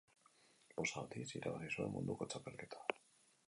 Bost aldiz irabazi zuen munduko txapelketa.